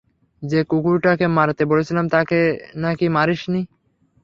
যে কুকুরটাকে মারতে বলেছিলাম তাকে না কি মারিসনি?